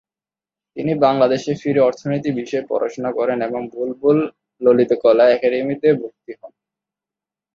তিনি বাংলাদেশে ফিরে অর্থনীতি বিষয়ে পড়াশোনা করেন এবং বুলবুল ললিতকলা একাডেমীতে ভর্তি হন।